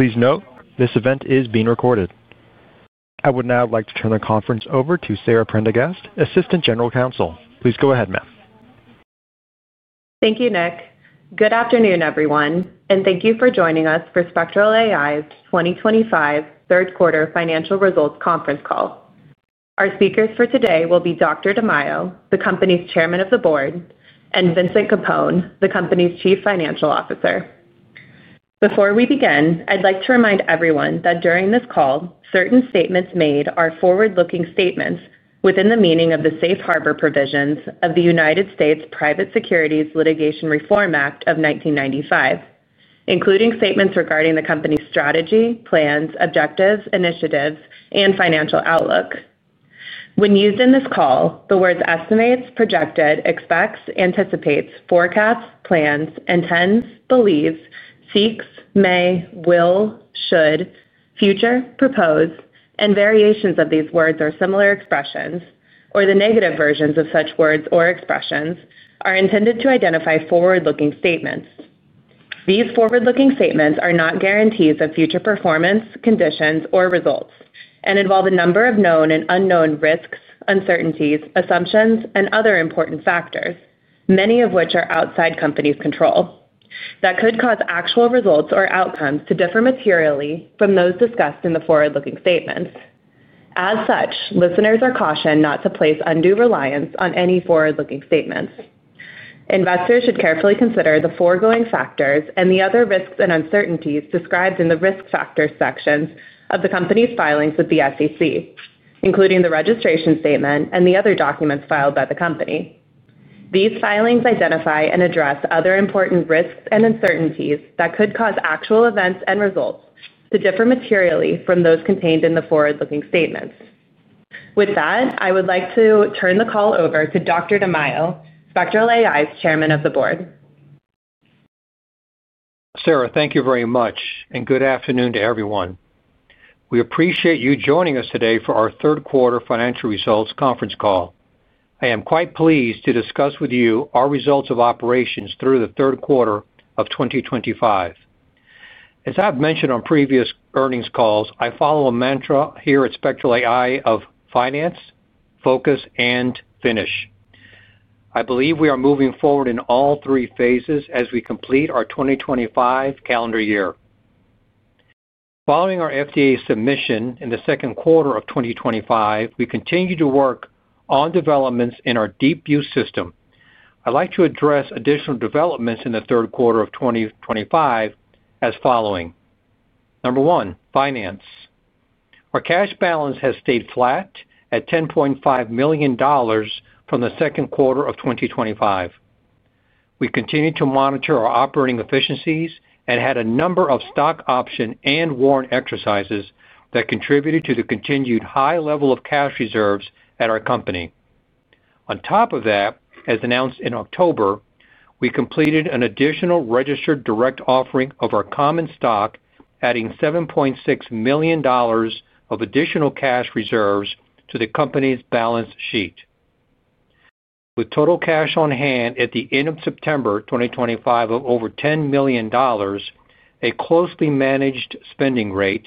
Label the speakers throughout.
Speaker 1: Please note, this event is being recorded. I would now like to turn the conference over to Sara Prendergast, Assistant General Counsel. Please go ahead, ma'am.
Speaker 2: Thank you, Nick. Good afternoon, everyone, and thank you for joining us for Spectral AI's 2025 third quarter financial results conference call. Our speakers for today will be Dr. DiMaio, the company's Chairman of the Board, and Vincent Capone, the company's Chief Financial Officer. Before we begin, I'd like to remind everyone that during this call, certain statements made are forward-looking statements within the meaning of the safe harbor provisions of the U.S. Private Securities Litigation Reform Act of 1995, including statements regarding the company's strategy, plans, objectives, initiatives, and financial outlook. When used in this call, the words estimates, projected, expects, anticipates, forecasts, plans, intends, believes, seeks, may, will, should, future, propose, and variations of these words or similar expressions, or the negative versions of such words or expressions, are intended to identify forward-looking statements. These forward-looking statements are not guarantees of future performance, conditions, or results, and involve a number of known and unknown risks, uncertainties, assumptions, and other important factors, many of which are outside the company's control, that could cause actual results or outcomes to differ materially from those discussed in the forward-looking statements. As such, listeners are cautioned not to place undue reliance on any forward-looking statements. Investors should carefully consider the foregoing factors and the other risks and uncertainties described in the risk factors sections of the company's filings with the SEC, including the registration statement and the other documents filed by the company. These filings identify and address other important risks and uncertainties that could cause actual events and results to differ materially from those contained in the forward-looking statements. With that, I would like to turn the call over to Dr. DiMaio, Spectral AI's Chairman of the Board.
Speaker 3: Sarah, thank you very much, and good afternoon to everyone. We appreciate you joining us today for our third quarter financial results conference call. I am quite pleased to discuss with you our results of operations through the third quarter of 2025. As I've mentioned on previous earnings calls, I follow a mantra here at Spectral AI of finance, focus, and finish. I believe we are moving forward in all three phases as we complete our 2025 calendar year. Following our FDA submission in the second quarter of 2025, we continue to work on developments in our DeepView System. I'd like to address additional developments in the third quarter of 2025 as following. Number one, finance. Our cash balance has stayed flat at $10.5 million from the second quarter of 2025. We continue to monitor our operating efficiencies and had a number of stock option and warrant exercises that contributed to the continued high level of cash reserves at our company. On top of that, as announced in October, we completed an additional registered direct offering of our common stock, adding $7.6 million of additional cash reserves to the company's balance sheet. With total cash on hand at the end of September 2025 of over $10 million, a closely managed spending rate,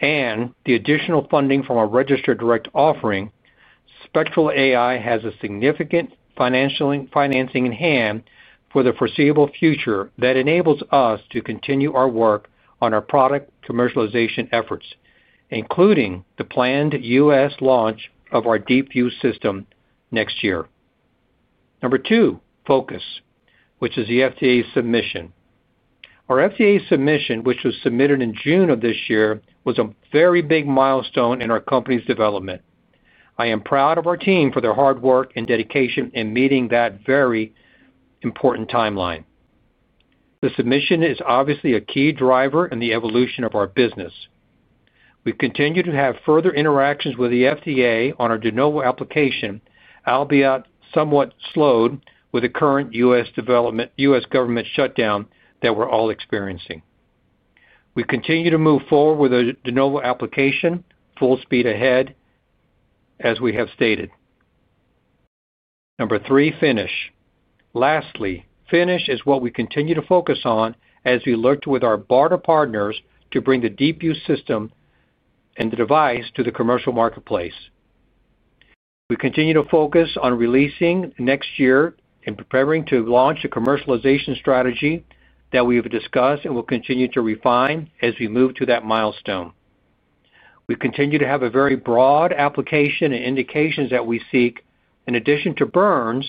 Speaker 3: and the additional funding from our registered direct offering, Spectral AI has a significant financing in hand for the foreseeable future that enables us to continue our work on our product commercialization efforts, including the planned U.S. launch of our DeepView System next year. Number two, focus, which is the FDA submission. Our FDA submission, which was submitted in June of this year, was a very big milestone in our company's development. I am proud of our team for their hard work and dedication in meeting that very important timeline. The submission is obviously a key driver in the evolution of our business. We continue to have further interactions with the FDA on our de novo application, albeit somewhat slowed with the current U.S. government shutdown that we're all experiencing. We continue to move forward with the de novo application, full speed ahead, as we have stated. Number three, finish. Lastly, finish is what we continue to focus on as we work with our BARDA partners to bring the DeepView System and the device to the commercial marketplace. We continue to focus on releasing next year and preparing to launch a commercialization strategy that we have discussed and will continue to refine as we move to that milestone. We continue to have a very broad application and indications that we seek, in addition to burns,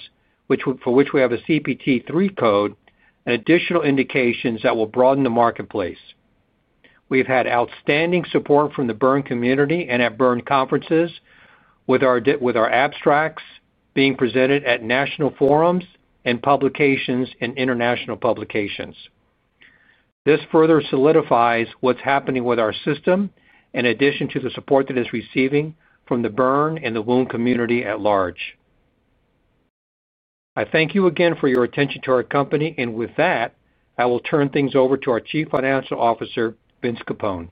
Speaker 3: for which we have a CPT III code, and additional indications that will broaden the marketplace. We have had outstanding support from the burn community and at burn conferences, with our abstracts being presented at national forums and publications and international publications. This further solidifies what's happening with our system, in addition to the support that it's receiving from the burn and the wound community at large. I thank you again for your attention to our company, and with that, I will turn things over to our Chief Financial Officer, Vince Capone.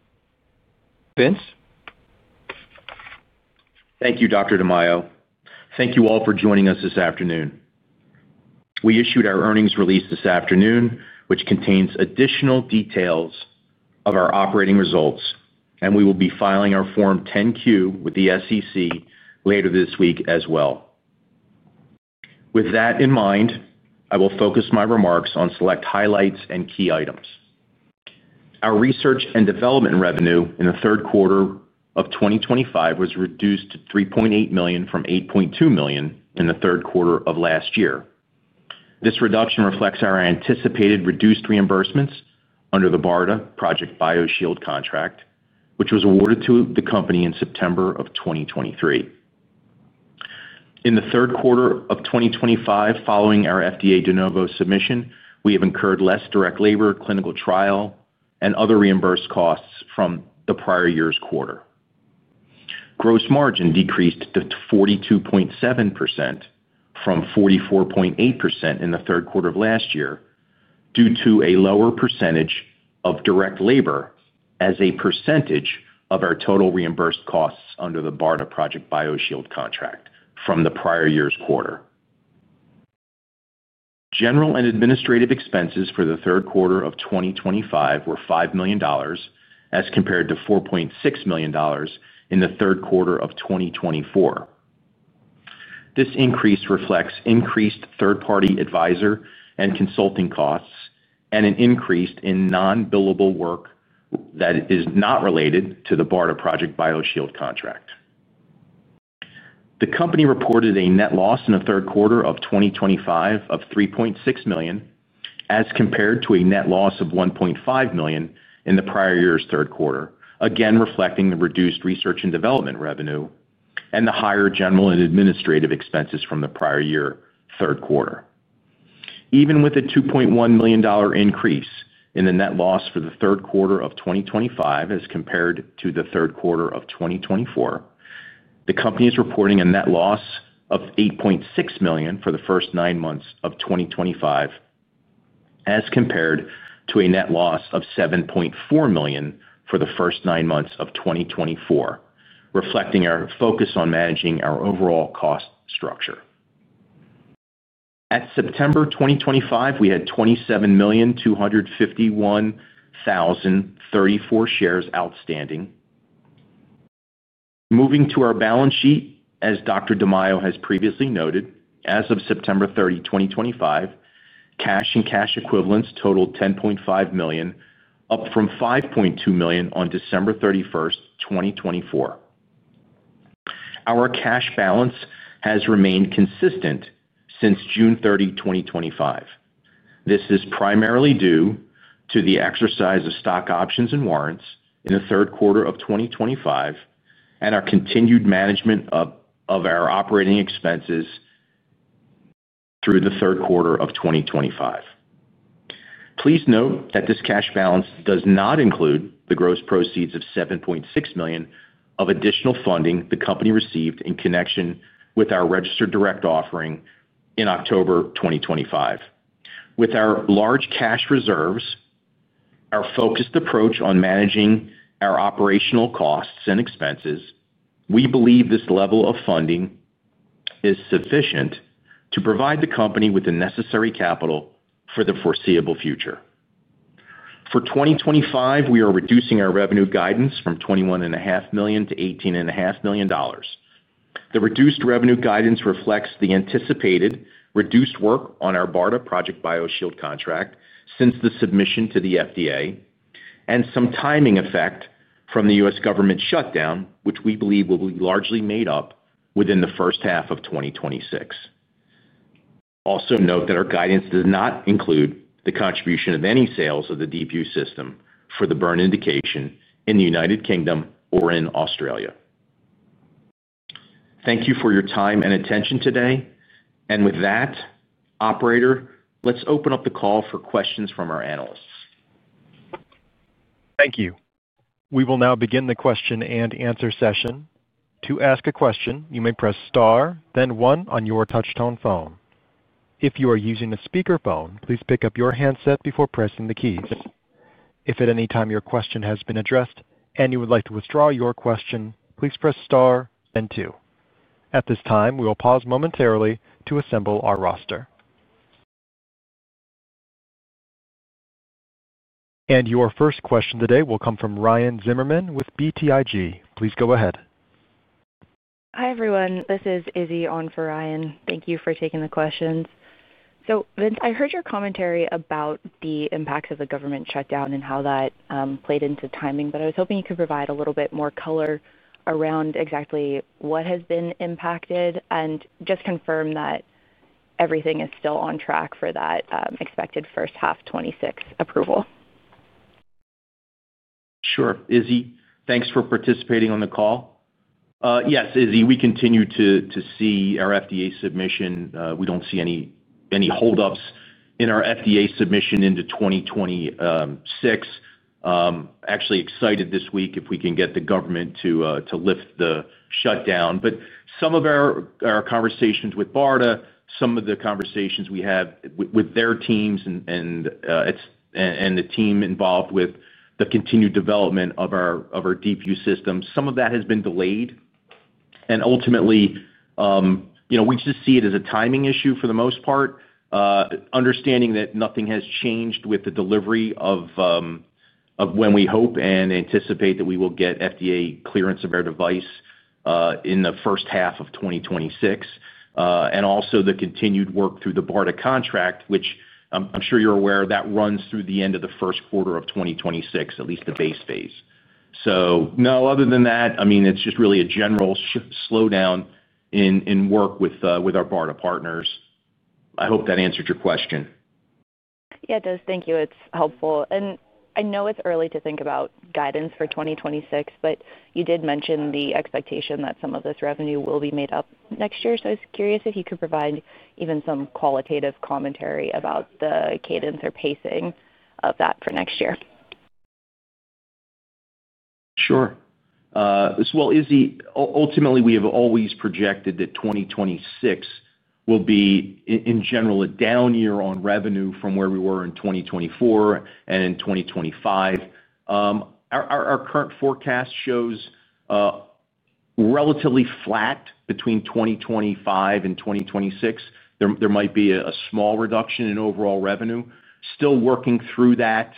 Speaker 3: Vince.
Speaker 4: Thank you, Dr. DiMaio. Thank you all for joining us this afternoon. We issued our earnings release this afternoon, which contains additional details of our operating results, and we will be filing our Form 10-Q with the SEC later this week as well. With that in mind, I will focus my remarks on select highlights and key items. Our research and development revenue in the third quarter of 2025 was reduced to $3.8 million from $8.2 million in the third quarter of last year. This reduction reflects our anticipated reduced reimbursements under the BARDA Project Bioshield contract, which was awarded to the company in September of 2023. In the third quarter of 2025, following our FDA de novo submission, we have incurred less direct labor, clinical trial, and other reimbursed costs from the prior year's quarter. Gross margin decreased to 42.7% from 44.8% in the third quarter of last year due to a lower percentage of direct labor as a percentage of our total reimbursed costs under the BARDA Project Bioshield contract from the prior year's quarter. General and administrative expenses for the third quarter of 2025 were $5 million, as compared to $4.6 million in the third quarter of 2024. This increase reflects increased third-party advisor and consulting costs and an increase in non-billable work that is not related to the BARDA Project Bioshield contract. The company reported a net loss in the third quarter of 2025 of $3.6 million, as compared to a net loss of $1.5 million in the prior year's third quarter, again reflecting the reduced research and development revenue and the higher general and administrative expenses from the prior year third quarter. Even with a $2.1 million increase in the net loss for the third quarter of 2025 as compared to the third quarter of 2024, the company is reporting a net loss of $8.6 million for the first nine months of 2025, as compared to a net loss of $7.4 million for the first nine months of 2024, reflecting our focus on managing our overall cost structure. At September 2025, we had 27,251,034 shares outstanding. Moving to our balance sheet, as Dr. DiMaio has previously noted, as of September 30, 2025, cash and cash equivalents totaled $10.5 million, up from $5.2 million on December 31st, 2024. Our cash balance has remained consistent since June 30, 2025. This is primarily due to the exercise of stock options and warrants in the third quarter of 2025 and our continued management of our operating expenses through the third quarter of 2025. Please note that this cash balance does not include the gross proceeds of $7.6 million of additional funding the company received in connection with our registered direct offering in October 2025. With our large cash reserves, our focused approach on managing our operational costs and expenses, we believe this level of funding is sufficient to provide the company with the necessary capital for the foreseeable future. For 2025, we are reducing our revenue guidance from $21.5 million to $18.5 million. The reduced revenue guidance reflects the anticipated reduced work on our BARDA Project Bioshield contract since the submission to the FDA and some timing effect from the U.S. government shutdown, which we believe will be largely made up within the first half of 2026. Also note that our guidance does not include the contribution of any sales of the DeepView System for the burn indication in the U.K. or in Australia. Thank you for your time and attention today. With that, operator, let's open up the call for questions from our analysts.
Speaker 1: Thank you. We will now begin the question-and-answer session. To ask a question, you may press star, then one on your touch-tone phone. If you are using a speakerphone, please pick up your handset before pressing the keys. If at any time your question has been addressed and you would like to withdraw your question, please press star, then two. At this time, we will pause momentarily to assemble our roster. Your first question today will come from Ryan Zimmerman with BTIG. Please go ahead. Hi, everyone. This is Izzy on for Ryan. Thank you for taking the questions. Vince, I heard your commentary about the impacts of the government shutdown and how that played into timing, but I was hoping you could provide a little bit more color around exactly what has been impacted and just confirm that everything is still on track for that expected first half 2026 approval.
Speaker 4: Sure. Izzy, thanks for participating on the call. Yes, Izzy, we continue to see our FDA submission. We do not see any holdups in our FDA submission into 2026. Actually excited this week if we can get the government to lift the shutdown. Some of our conversations with BARDA, some of the conversations we have with their teams and the team involved with the continued development of our DeepView System, some of that has been delayed. Ultimately, we just see it as a timing issue for the most part, understanding that nothing has changed with the delivery of when we hope and anticipate that we will get FDA clearance of our device in the first half of 2026. Also the continued work through the BARDA contract, which I'm sure you're aware of, that runs through the end of the first quarter of 2026, at least the base phase. No, other than that, I mean, it's just really a general slowdown in work with our BARDA partners. I hope that answered your question. Yeah, it does. Thank you. It's helpful. I know it's early to think about guidance for 2026, but you did mention the expectation that some of this revenue will be made up next year. I was curious if you could provide even some qualitative commentary about the cadence or pacing of that for next year. Sure. Izzy, ultimately, we have always projected that 2026 will be, in general, a down year on revenue from where we were in 2024 and in 2025. Our current forecast shows relatively flat between 2025 and 2026. There might be a small reduction in overall revenue. Still working through that.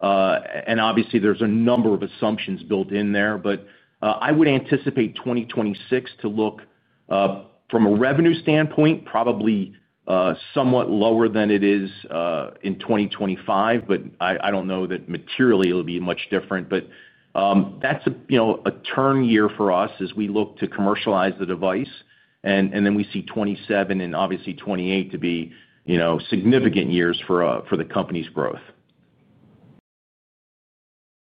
Speaker 4: Obviously, there's a number of assumptions built in there, but I would anticipate 2026 to look, from a revenue standpoint, probably somewhat lower than it is in 2025, but I don't know that materially it'll be much different. That's a turn year for us as we look to commercialize the device. We see 2027 and obviously 2028 to be significant years for the company's growth.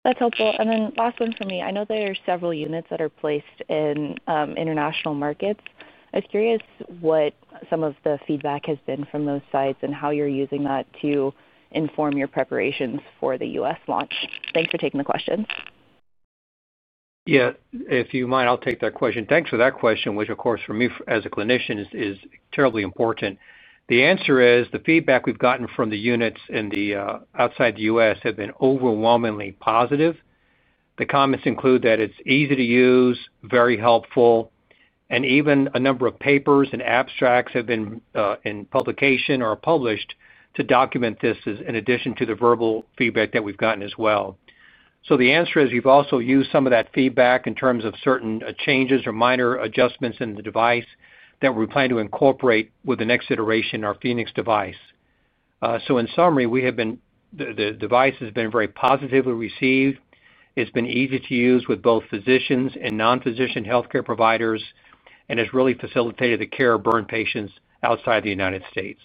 Speaker 4: That's helpful. And then last one for me. I know there are several units that are placed in international markets. I was curious what some of the feedback has been from those sites and how you're using that to inform your preparations for the U.S. launch. Thanks for taking the question.
Speaker 3: Yeah. If you mind, I'll take that question. Thanks for that question, which, of course, for me as a clinician, is terribly important. The answer is the feedback we've gotten from the units outside the U.S. has been overwhelmingly positive. The comments include that it's easy to use, very helpful, and even a number of papers and abstracts have been in publication or published to document this in addition to the verbal feedback that we've gotten as well. The answer is we've also used some of that feedback in terms of certain changes or minor adjustments in the device that we plan to incorporate with the next iteration of our Phoenix Device. In summary, the device has been very positively received. It's been easy to use with both physicians and non-physician healthcare providers, and it's really facilitated the care of burn patients outside the United States.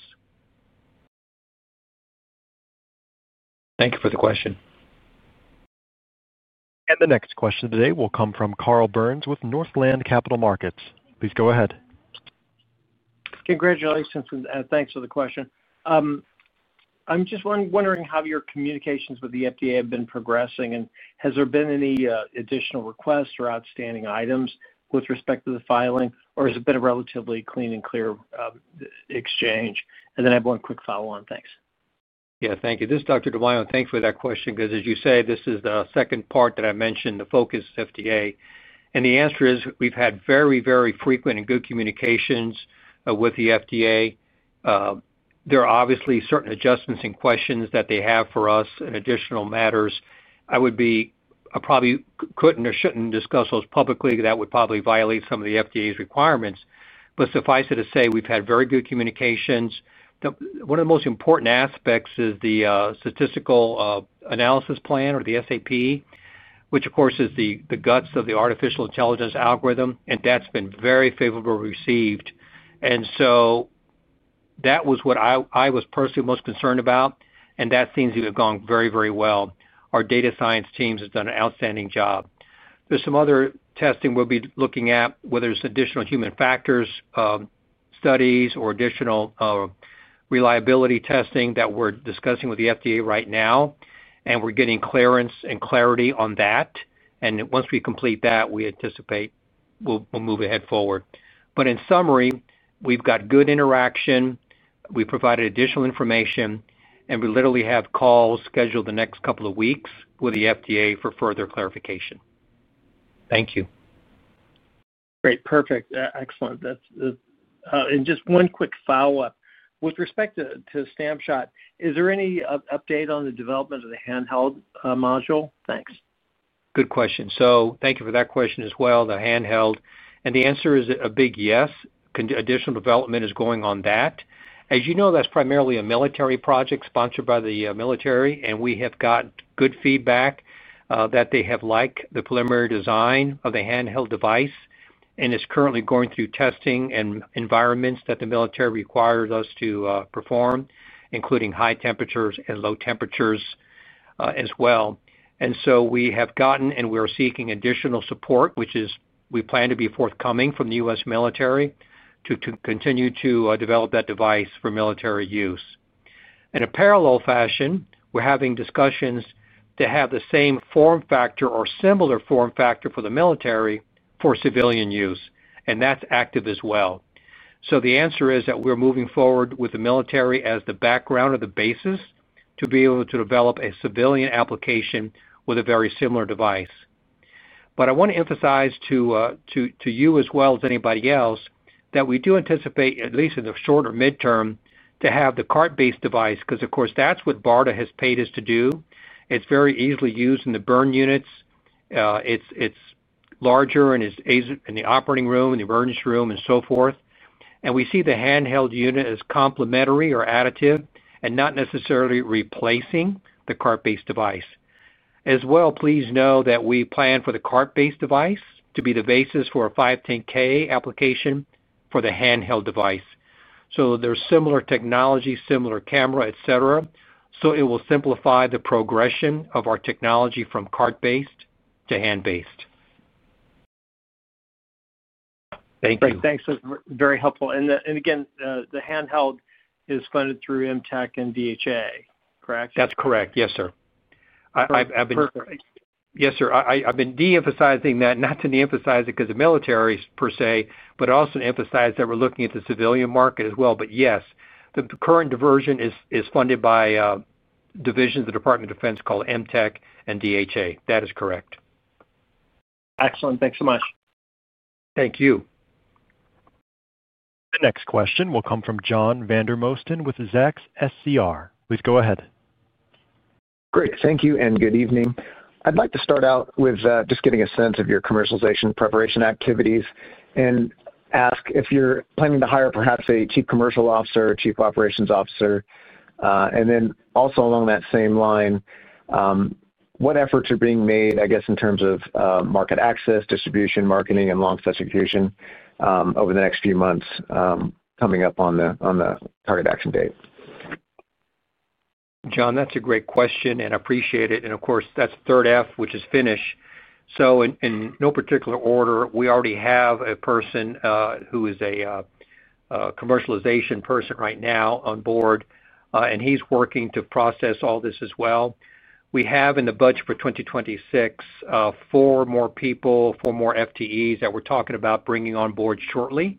Speaker 4: Thank you for the question.
Speaker 1: The next question today will come from Carl Byrnes with Northland Capital Markets. Please go ahead.
Speaker 5: Congratulations and thanks for the question. I'm just wondering how your communications with the FDA have been progressing, and has there been any additional requests or outstanding items with respect to the filing, or has it been a relatively clean and clear exchange? I have one quick follow-on. Thanks.
Speaker 3: Yeah, thank you. This is Dr. DiMaio. Thanks for that question because, as you say, this is the second part that I mentioned, the focus FDA. The answer is we've had very, very frequent and good communications with the FDA. There are obviously certain adjustments and questions that they have for us and additional matters. I probably couldn't or shouldn't discuss those publicly. That would probably violate some of the FDA's requirements. Suffice it to say, we've had very good communications. One of the most important aspects is the statistical analysis plan or the SAP, which, of course, is the guts of the artificial intelligence algorithm, and that's been very favorably received. That was what I was personally most concerned about, and that seems to have gone very, very well. Our data science teams have done an outstanding job. There's some other testing we'll be looking at, whether it's additional human factors studies or additional reliability testing that we're discussing with the FDA right now, and we're getting clearance and clarity on that. Once we complete that, we anticipate we'll move ahead forward. In summary, we've got good interaction. We've provided additional information, and we literally have calls scheduled the next couple of weeks with the FDA for further clarification. Thank you.
Speaker 5: Great. Perfect. Excellent. Just one quick follow-up. With respect to SnapShot, is there any update on the development of the handheld module? Thanks.
Speaker 3: Good question. Thank you for that question as well, the handheld. The answer is a big yes. Additional development is going on that. As you know, that's primarily a military project sponsored by the military, and we have got good feedback that they have liked the preliminary design of the handheld device and it is currently going through testing in environments that the military requires us to perform, including high temperatures and low temperatures as well. We have gotten and we are seeking additional support, which we plan to be forthcoming from the U.S. military to continue to develop that device for military use. In a parallel fashion, we're having discussions to have the same form factor or similar form factor for the military for civilian use, and that's active as well. The answer is that we're moving forward with the military as the background or the basis to be able to develop a civilian application with a very similar device. I want to emphasize to you as well as anybody else that we do anticipate, at least in the short or midterm, to have the cart-based device because, of course, that's what BARDA has paid us to do. It's very easily used in the burn units. It's larger and is in the operating room, in the emergency room, and so forth. We see the handheld unit as complementary or additive and not necessarily replacing the cart-based device. As well, please know that we plan for the cart-based device to be the basis for a 510(k) application for the handheld device. There's similar technology, similar camera, etc. It will simplify the progression of our technology from cart-based to hand-based. Thank you.
Speaker 5: Great. Thanks. That's very helpful. And again, the handheld is funded through MTEC and DHA, correct?
Speaker 3: That's correct. Yes, sir.
Speaker 5: Perfect.
Speaker 3: Yes, sir. I've been de-emphasizing that, not to de-emphasize it because of military per se, but also to emphasize that we're looking at the civilian market as well. Yes, the current diversion is funded by divisions of the Department of Defense called MTEC and DHA. That is correct.
Speaker 5: Excellent. Thanks so much.
Speaker 1: Thank you. The next question will come from John Vandermosten with Zacks SCR. Please go ahead.
Speaker 6: Great. Thank you and good evening. I'd like to start out with just getting a sense of your commercialization preparation activities and ask if you're planning to hire perhaps a Chief Commercial Officer or Chief Operations Officer. Also along that same line, what efforts are being made, I guess, in terms of market access, distribution, marketing, and long-stay distribution over the next few months coming up on the target action date?
Speaker 3: John, that's a great question and I appreciate it. Of course, that's third F, which is finish. In no particular order, we already have a person who is a commercialization person right now on board, and he's working to process all this as well. We have in the budget for 2026 four more people, four more FTEs that we're talking about bringing on board shortly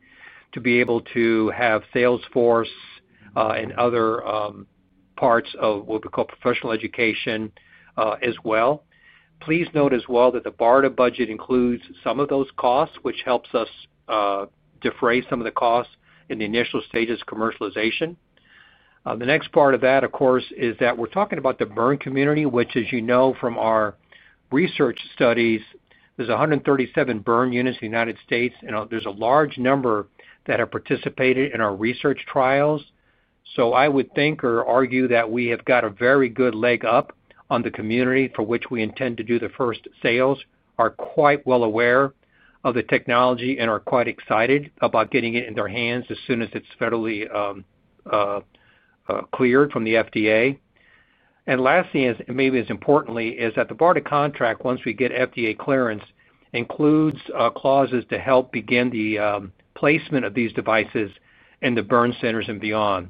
Speaker 3: to be able to have Salesforce and other parts of what we call professional education as well. Please note as well that the BARDA budget includes some of those costs, which helps us defray some of the costs in the initial stages of commercialization. The next part of that, of course, is that we're talking about the burn community, which, as you know from our research studies, there's 137 burn units in the United States, and there's a large number that have participated in our research trials. I would think or argue that we have got a very good leg up on the community for which we intend to do the first sales, are quite well aware of the technology, and are quite excited about getting it in their hands as soon as it's federally cleared from the FDA. Lastly, and maybe as importantly, is that the BARDA contract, once we get FDA clearance, includes clauses to help begin the placement of these devices in the burn centers and beyond.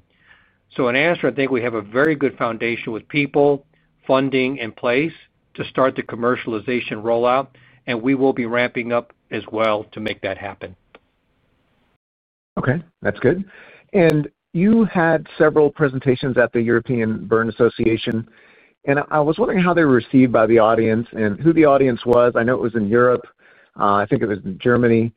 Speaker 3: In answer, I think we have a very good foundation with people, funding in place to start the commercialization rollout, and we will be ramping up as well to make that happen.
Speaker 6: Okay. That's good. You had several presentations at the European Burn Association, and I was wondering how they were received by the audience and who the audience was. I know it was in Europe. I think it was in Germany.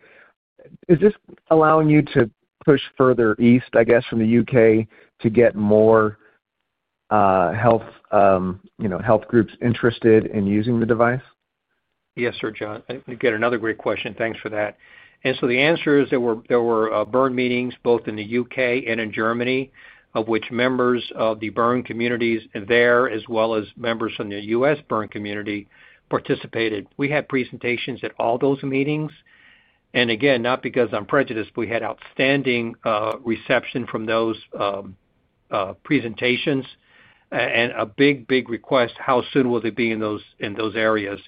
Speaker 6: Is this allowing you to push further east, I guess, from the U.K. to get more health groups interested in using the device?
Speaker 3: Yes, sir, John. Again, another great question. Thanks for that. The answer is there were burn meetings both in the U.K. and in Germany, of which members of the burn communities there, as well as members from the U.S. burn community, participated. We had presentations at all those meetings. Not because I'm prejudiced, but we had outstanding reception from those presentations and a big, big request: how soon will they be in those areas?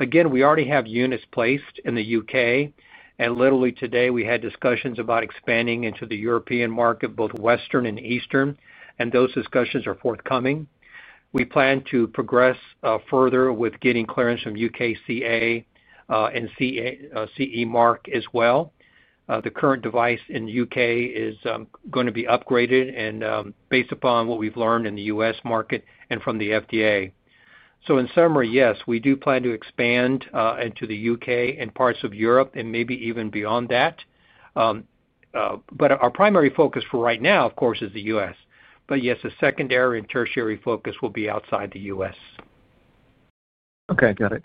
Speaker 3: We already have units placed in the U.K. Literally today, we had discussions about expanding into the European market, both Western and Eastern, and those discussions are forthcoming. We plan to progress further with getting clearance from UKCA and CE mark as well. The current device in the U.K. is going to be upgraded and based upon what we've learned in the U.S. market and from the FDA. In summary, yes, we do plan to expand into the U.K. and parts of Europe and maybe even beyond that. Our primary focus for right now, of course, is the U.S. Yes, the secondary and tertiary focus will be outside the U.S.
Speaker 6: Okay. Got it.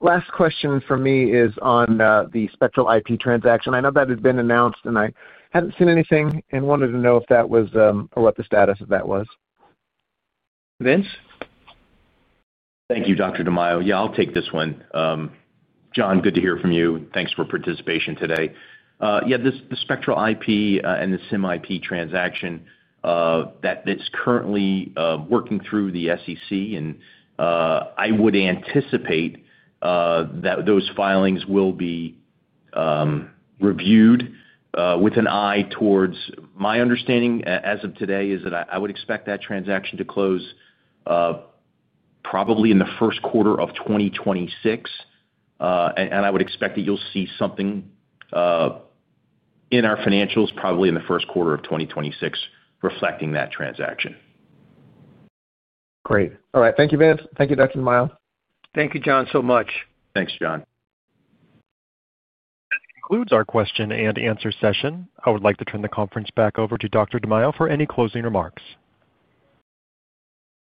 Speaker 6: Last question for me is on the Spectral IP transaction. I know that had been announced, and I had not seen anything and wanted to know if that was or what the status of that was.
Speaker 3: Vince.
Speaker 4: Thank you, Dr. DiMaio. Yeah, I'll take this one. John, good to hear from you. Thanks for participation today. Yeah, the Spectral IP and the SIM IP transaction that's currently working through the SEC, and I would anticipate that those filings will be reviewed with an eye towards my understanding as of today is that I would expect that transaction to close probably in the first quarter of 2026. I would expect that you'll see something in our financials probably in the first quarter of 2026 reflecting that transaction.
Speaker 6: Great. All right. Thank you, Vince. Thank you, Dr. DiMaio.
Speaker 3: Thank you, John, so much.
Speaker 4: Thanks, John.
Speaker 1: That concludes our question-and-answer session. I would like to turn the conference back over to Dr. DiMaio for any closing remarks.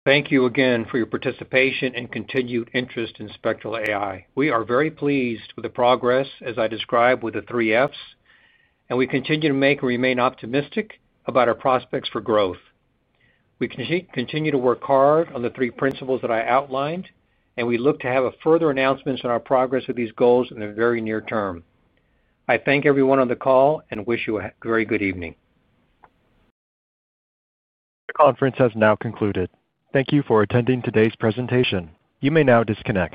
Speaker 3: Thank you again for your participation and continued interest in Spectral AI. We are very pleased with the progress, as I described, with the three Fs, and we continue to make and remain optimistic about our prospects for growth. We continue to work hard on the three principles that I outlined, and we look to have further announcements on our progress of these goals in the very near term. I thank everyone on the call and wish you a very good evening.
Speaker 1: The conference has now concluded. Thank you for attending today's presentation. You may now disconnect.